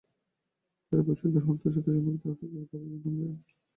যারা ভবিষ্যতে হত্যার সাথে সম্পৃক্ত হতে চাইবে তাদের জন্য আমরা এক দৃষ্টান্ত স্থাপন করবো।